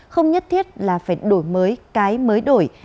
không nhất thiết là phải đổi mới cái mới đổi